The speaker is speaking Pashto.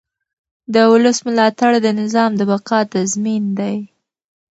د ولس ملاتړ د نظام د بقا تضمین دی